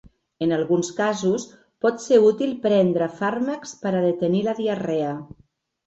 En alguns casos pot ser útil prendre fàrmacs per a detenir la diarrea.